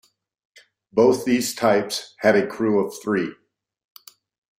Both these types had a crew of three.